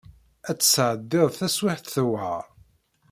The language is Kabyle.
Ad tesɛeddiḍ taswiɛt tewɛer.